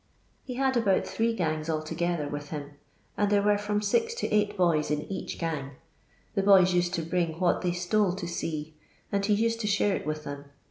He had about three gangs altogether with him, and there were from six to eight boys in each I gang. The boys used to bring what they stole to ! C , and he used to share it with them.